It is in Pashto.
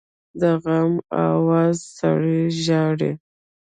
د غم آواز سړی ژاړي